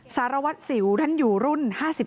สารวัตรสิวท่านอยู่รุ่น๕๓